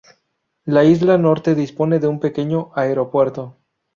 La isla norte dispone de un pequeño aeropuerto.